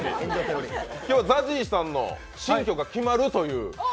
今日はＺＡＺＹさんの新居が決まるという。